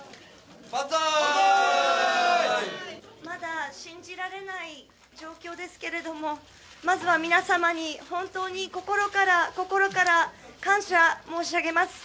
まだ信じられない状況ですけれども、まずは皆様に、本当に心から心から、感謝申し上げます。